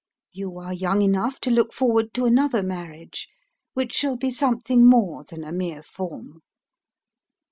You are young enough to look forward to another marriage, which shall be something more than a mere form.